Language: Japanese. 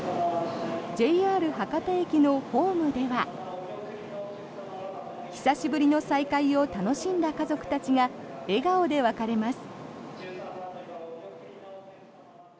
ＪＲ博多駅のホームでは久しぶりの再会を楽しんだ家族たちが笑顔で別れます。